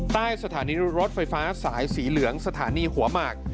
ใต้สถานีรถไฟฟ้าสายสีเหลืองสถานีหัวหมาก